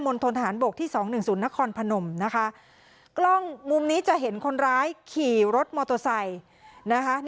มนตรฐานโบกที่๒๑๐นครพนมนะคะกล้องมุมนี้จะเห็นคนร้ายขี่รถมอโตไซด์